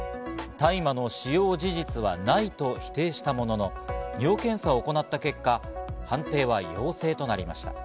大麻の使用事実はないと否定したものの、尿検査を行った結果、判定は陽性となりました。